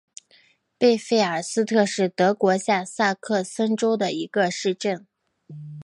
贝费尔斯特是德国下萨克森州的一个市镇。